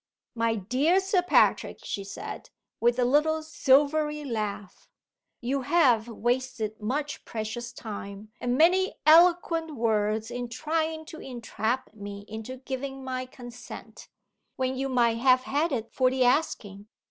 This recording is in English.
"My dear Sir Patrick!" she said, with a little silvery laugh, "you have wasted much precious time and many eloquent words in trying to entrap me into giving my consent, when you might have had it for the asking.